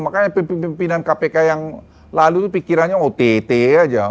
makanya pimpinan kpk yang lalu itu pikirannya ott aja